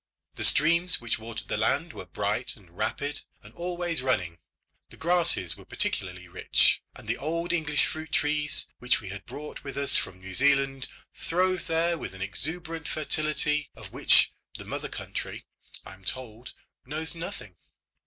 The streams which watered the land were bright and rapid, and always running. The grasses were peculiarly rich, and the old English fruit trees, which we had brought with us from New Zealand, throve there with an exuberant fertility, of which the mother country, I am told, knows nothing.